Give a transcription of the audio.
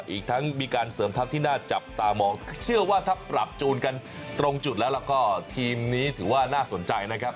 อีกทั้งมีการเสริมทัพที่น่าจับตามองเชื่อว่าถ้าปรับจูนกันตรงจุดแล้วแล้วก็ทีมนี้ถือว่าน่าสนใจนะครับ